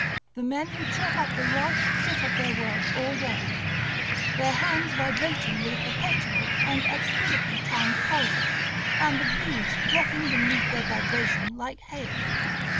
The men who chop up the rods sit at their work all day, their hands vibrating with a perpetual and exquisitely timed palsy, and the beads dropping beneath their vibration like hail.